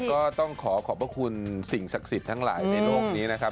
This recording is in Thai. ก็ต้องขอขอบพระคุณสิ่งศักดิ์สิทธิ์ทั้งหลายในโลกนี้นะครับ